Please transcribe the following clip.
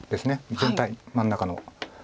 全体真ん中の。